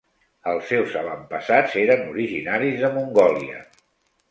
Els seus avantpassats eren originaris de Mongòlia.